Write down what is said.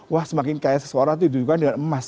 wah semakin kaya seseorang itu didudukan dengan emas